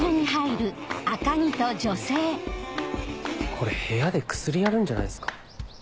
これ部屋で薬やるんじゃないですか？